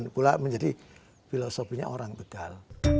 pula menjadi filosofinya orang tegal